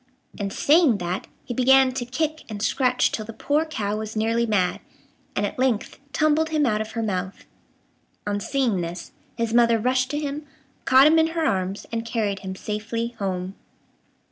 And, saying that, he began to kick and scratch till the poor cow was nearly mad, and at length tumbled him out of her mouth. On seeing this, his mother rushed to him, caught him in her arms, and carried him safely home.